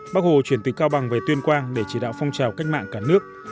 bác hồ chuyển từ cao bằng về tuyên quang để chỉ đạo phong trào cách mạng cả nước